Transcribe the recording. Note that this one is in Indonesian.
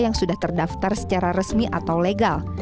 yang sudah terdaftar secara resmi atau legal